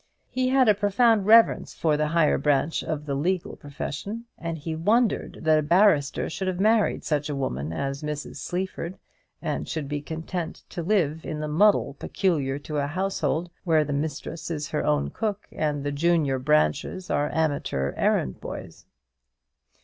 He had a profound reverence for the higher branch of the legal profession, and he pondered that a barrister should have married such a woman as Mrs. Sleaford, and should be content to live in the muddle peculiar to a household where the mistress is her own cook, and the junior branches are amateur errand boys.